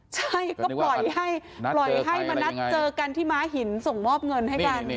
ใช่ก็ปล่อยให้ปล่อยให้มานัดเจอกันที่ม้าหินส่งมอบเงินให้กัน